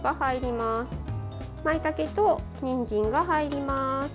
まいたけと、にんじんが入ります。